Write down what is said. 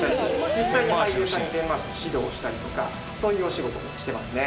実際に俳優さんにペン回しの指導をしたりとかそういうお仕事をしてますね。